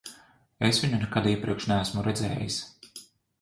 Es viņu nekad iepriekš neesmu redzējis.